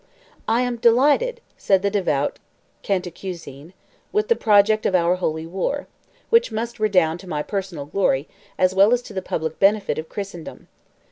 "I am delighted," said the devout Cantacuzene, "with the project of our holy war, which must redound to my personal glory, as well as to the public benefit of Christendom.